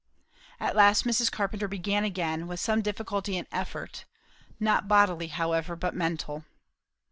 At last Mrs. Carpenter began again, with some difficulty and effort; not bodily however, but mental.